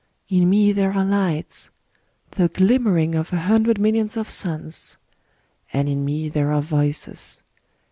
In me there are lights, — the glimmering of a hundred millions of suns. And in me there are voices.